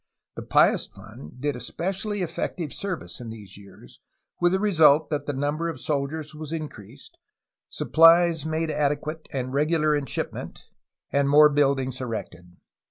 The Pious Fund did especially effective service in these years, with the result that the number of soldiers was increased, supplies made adequate and regular in shipment, and more buildings erected.